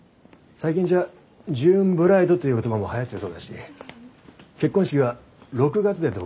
最近じゃジューンブライドという言葉もはやってるそうだし結婚式は６月でどうかね？